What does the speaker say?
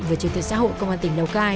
về truyền thuyền xã hội công an tỉnh lào cai